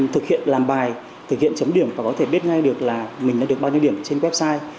thực hiện làm bài thực hiện chấm điểm và có thể biết ngay được là mình đã được bao nhiêu điểm trên website